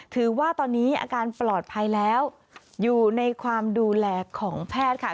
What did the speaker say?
ถือว่าตอนนี้อาการปลอดภัยแล้วอยู่ในความดูแลของแพทย์ค่ะ